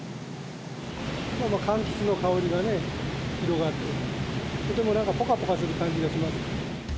かんきつの香りがね、広がって、とてもなんか、ぽかぽかする感じがします。